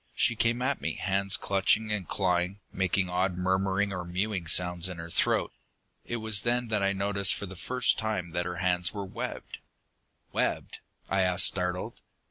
"She came at me, hands clutching and clawing, making odd murmuring or mewing sounds in her throat. It was then that I noticed for the first time that her hands were webbed!" "Webbed?" I asked, startled.